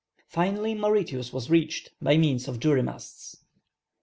Finally Mauritius was reached by means of jury masts."